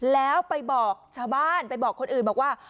แล้วไปบอกชาวบ้านไปบอกคนอื่นบอกว่า